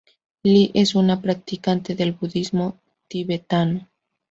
Li es un practicante del budismo tibetano.